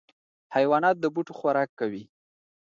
حیوانات د بوټو خوراک کوي.